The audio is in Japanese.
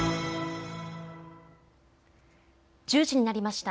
１０時になりました。